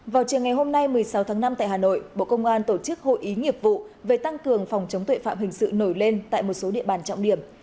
vào chiều ngày hôm nay một mươi sáu tháng năm tại hà nội bộ công an tổ chức hội ý nghiệp vụ về tăng cường phòng chống tuệ phạm hình sự nổi lên tại một số địa bàn trọng điểm